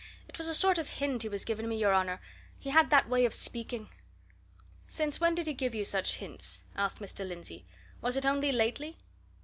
"It was a sort of hint he was giving me, your honour he had that way of speaking." "Since when did he give you such hints?" asked Mr. Lindsey. "Was it only lately?"